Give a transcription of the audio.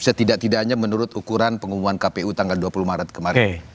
setidak tidaknya menurut ukuran pengumuman kpu tanggal dua puluh maret kemarin